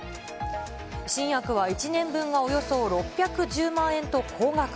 新薬は１年分がおよそ６１０万円と高額。